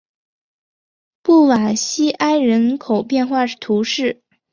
布瓦西埃人口变化图示